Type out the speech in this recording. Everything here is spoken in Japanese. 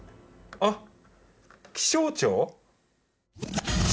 あっ「気象庁」？